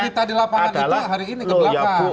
adalah loyak cerita di lapangan kita hari ini kebelakang